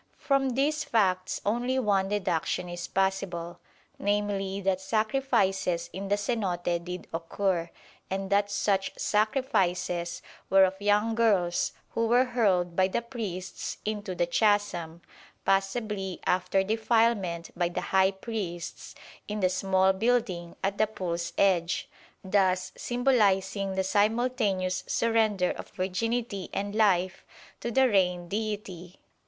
From these facts only one deduction is possible, namely that sacrifices in the cenote did occur, and that such sacrifices were of young girls who were hurled by the priests into the chasm, possibly after defilement by the high priests in the small building at the pool's edge, thus symbolising the simultaneous surrender of virginity and life to the Rain Deity.